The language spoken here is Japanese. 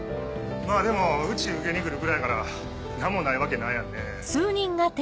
まぁでもうち受けにくるぐらいやから何もないわけないやんね。